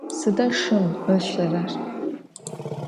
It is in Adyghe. Sıda şşım ışerer?